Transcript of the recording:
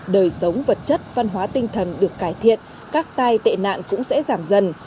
đời sống vật chất văn hóa tinh thần được cải thiện các tai tệ nạn cũng sẽ giảm dần